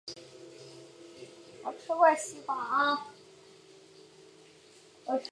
此剧为深津绘里初次担任主演的电视剧。